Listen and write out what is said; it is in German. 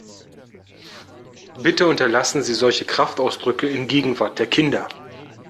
Bitte unterlassen Sie solche Kraftausdrücke in Gegenwart der Kinder!